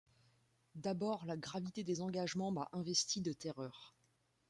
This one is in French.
D’abord la gravité des engagements m’a investie de terreur.